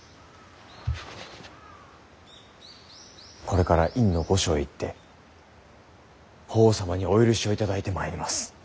これから院御所へ行って法皇様にお許しを頂いてまいります。